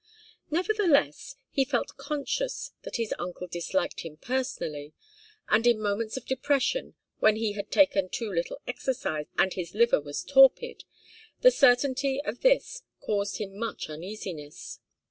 Nevertheless, he felt conscious that his uncle disliked him personally, and in moments of depression, when he had taken too little exercise and his liver was torpid, the certainty of this caused him much uneasiness.